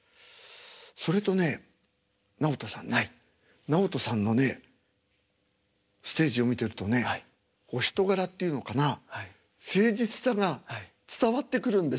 それとね直人さんね直人さんのねステージを見てるとねお人柄っていうのかな誠実さが伝わってくるんですよ。